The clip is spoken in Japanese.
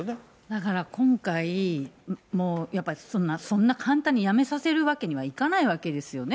だから今回、やっぱりそんな簡単に辞めさせるわけにはいかないわけですよね。